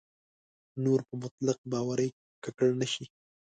نور په مطلق باورۍ ککړ نه شي.